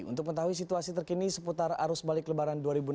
untuk mengetahui situasi terkini seputar arus balik lebaran dua ribu enam belas